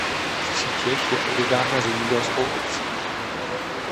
Střítež je odedávna zemědělskou obcí.